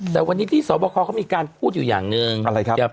แต่วันนี้ที่สวบคอเขามีการพูดอยู่อย่างหนึ่งอะไรครับ